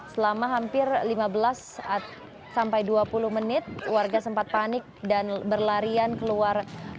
selama hampir lima belas sampai dua puluh menit warga sempat panik dan berlarian keluar